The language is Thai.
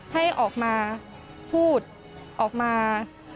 ให้ออกมาพูดออกมา